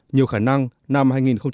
nhiều khả năng năm hai nghìn một mươi tám